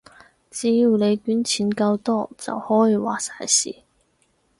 只要你捐錢夠多，就可以話晒事